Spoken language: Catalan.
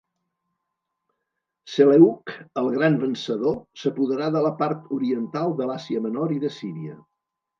Seleuc, el gran vencedor, s'apoderà de la part oriental de l'Àsia Menor i de Síria.